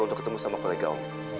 untuk ketemu sama kolega om